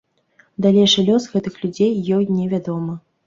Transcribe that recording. Далейшы лёс гэтых людзей ёй невядомы.